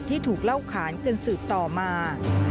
ที่ถูกเล่าขานจนสืบต่อมา